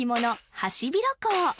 ハシビロコウ